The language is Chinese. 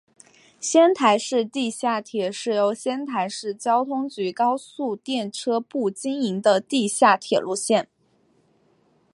仙台市地下铁是由仙台市交通局高速电车部经营的地下铁路线。